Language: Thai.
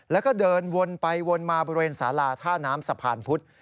แล้วก็เดินวนไปวนมาบริเวณสาราท่าน้ำสะพานพุธ